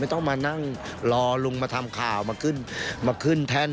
ไม่ต้องมานั่งรอลุงมาทำข่าวมาขึ้นแท่นขึ้นอะไรไม่เอา